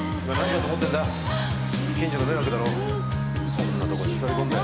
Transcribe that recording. そんなとこに座り込んで。